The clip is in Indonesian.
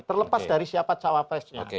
terlepas dari siapa cawapresnya